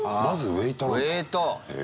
ウエイト！